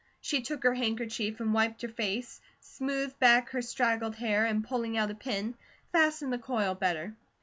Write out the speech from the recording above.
She took her handkerchief and wiped her face, smoothed back her straggled hair, and pulling out a pin, fastened the coil better.